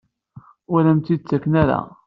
Ur am-tent-id-ttaken ara?